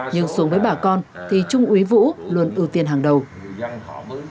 nhưng xuống với bà con thì trung úy vũ luôn ưu ước